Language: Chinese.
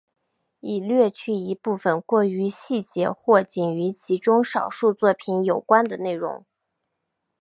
已略去一部分过于细节或仅与其中少数作品有关的内容。